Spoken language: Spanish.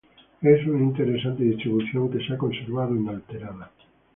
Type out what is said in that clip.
Es una interesante distribución que se ha conservado inalterada.